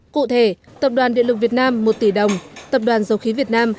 cụ thể tập đoàn điện lực việt nam một tỷ đồng tập đoàn dầu khí việt nam